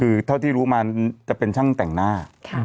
คือเท่าที่รู้มาจะเป็นช่างแต่งหน้า